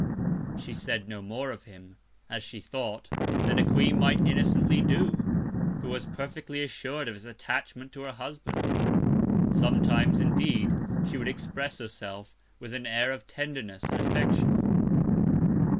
She said no more of him, as she thought, than a Queen might innocently do, who was perfectly assur'd of his Attachment to her Husband; sometimes, indeed, she would express her self with an Air of Tenderness and Affection.